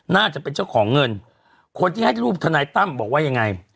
น่าจะเป็นเจ้าของเงินคนที่ให้รูปทนายตั้มบอกว่ายังไง